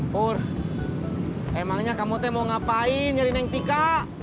pur emangnya kamu mau ngapain nyari nenek tika